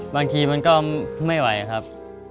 บางทีมันก็ไม่ไหวครับ